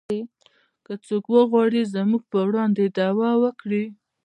که څوک وغواړي زموږ په وړاندې دعوه وکړي